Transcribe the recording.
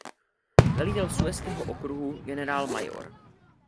Velitel suezského okruhu gen.mjr.